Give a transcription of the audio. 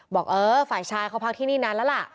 บอกเออฝ่ายชายเขาพักที่นี่นานแล้วล่ะ